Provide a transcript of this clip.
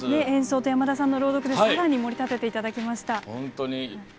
演奏と山田さんの朗読で盛り立てていただきました。